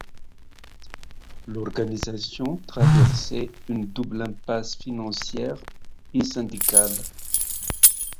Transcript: L'organisation traversait une double impasse financière et syndicale.